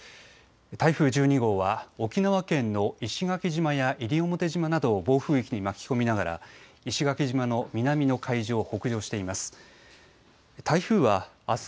台風１２号は沖縄県の石垣島や西表島などを暴風域に巻き込みながら、石垣島の南の海上を北上しています。